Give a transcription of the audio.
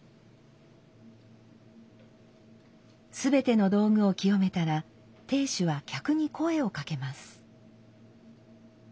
全ての道具を清めたら亭主は客に声をかけます。